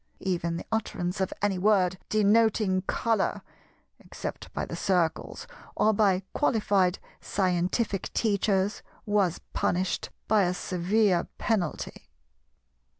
Even the utterance of any word denoting Colour, except by the Circles or by qualified scientific teachers, was punished by a severe penalty.